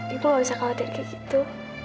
ibu enggak bisa khawatir kayak gitu